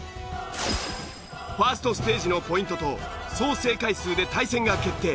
ファーストステージのポイントと総正解数で対戦が決定。